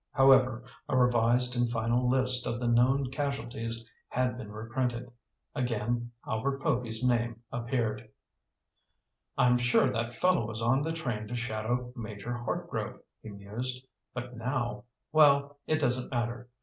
However, a revised and final list of the known casualties had been reprinted. Again Albert Povy's name appeared. "I'm sure that fellow was on the train to shadow Major Hartgrove," he mused. "But now—well, it doesn't matter.